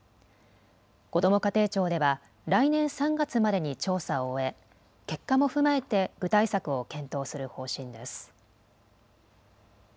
こども家庭庁では来年３月までに調査を終え結果も踏まえて具体策を検討する方針です。